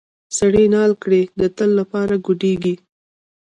سړی نال کړې د تل لپاره ګوډیږي.